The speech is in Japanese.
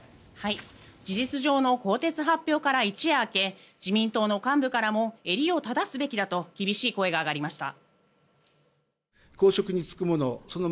事実上の更迭発表から一夜明け自民党の幹部からも襟を正すべきだと厳しい声が上がりました。